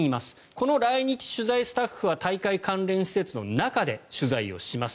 この来日取材スタッフは大会関連施設の中で取材をします。